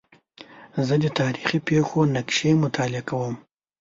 زه د تاریخي پېښو نقشې مطالعه کوم.